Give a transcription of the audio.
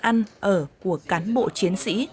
ăn ở của cán bộ chiến sĩ